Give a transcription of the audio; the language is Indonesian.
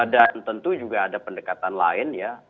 dan tentu juga ada pendekatan lain ya